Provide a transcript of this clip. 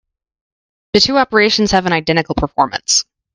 The two operations have an identical performance.